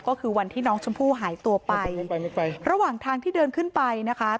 ก็คือวันที่น้องชมพู่หายตัวไปไม่ไประหว่างทางที่เดินขึ้นไปนะคะ